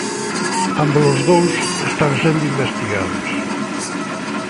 Ámbolos dous están sendo investigados.